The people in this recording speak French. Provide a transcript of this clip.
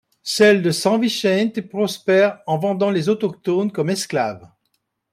Celle de São Vicente prospère en vendant les autochtones comme esclaves.